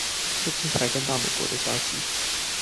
最近才跟到美國的消息